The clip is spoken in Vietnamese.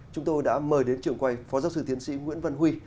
chúng tôi đã mời đến trường quay phó giáo sư tiến sĩ nguyễn văn huy